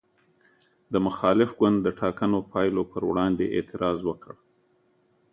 د مخالف ګوند د ټاکنو پایلو پر وړاندې اعتراض وکړ.